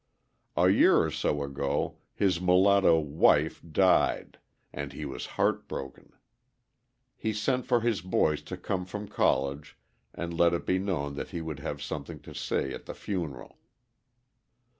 A year or so ago his mulatto "wife" died; and he was heart broken. He sent for his boys to come from college and let it be known that he would have something to say at the funeral.